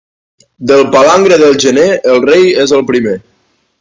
Del palangre del gener, el rei és el primer.